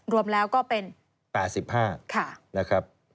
รวมแล้วก็เป็น๘๕นะครับ